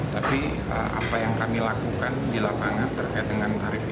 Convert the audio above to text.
tapi apa yang kami lakukan di lapangan terkait dengan tarif ini